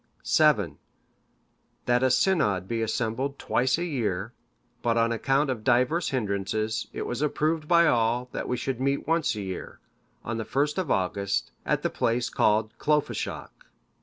"VII. That a synod be assembled twice a year; but on account of divers hindrances, it was approved by all, that we should meet once a year, on the 1st of August, at the place called Clofeshoch.